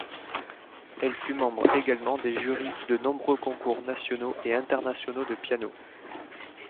Elle fut membre également des jurys de nombreux concours nationaux et internationaux de piano.